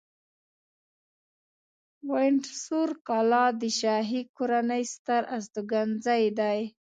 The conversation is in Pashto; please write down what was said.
وینډسور کلا د شاهي کورنۍ ستر استوګنځی دی.